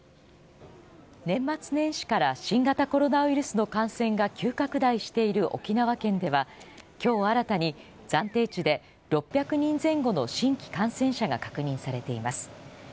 年末年始から新型コロナウイルスの感染が急拡大している沖縄県では、きょう新たに、暫定値で６００人前後の新規感染者が確認されています。